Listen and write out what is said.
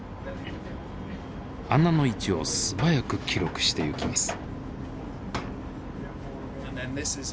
穴の位置を素早く記録していきます。